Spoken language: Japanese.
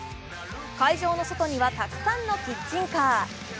会場の外にはたくさんのキッチンカー。